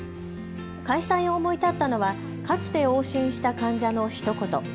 開催を思い立ったのはかつて往診した患者のひと言。